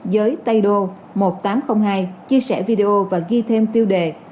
giới tây đô một nghìn tám trăm linh hai chia sẻ video và ghi thêm tiêu đề